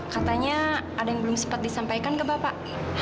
katanya ada yang belum sempat disampaikan ke bapak